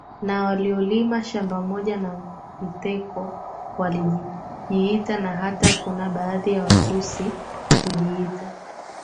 Na waliolima shamba moja na Mteko walijiita na hata kuna baadhi ya Watusi hujiita